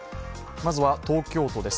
まずは東京都です。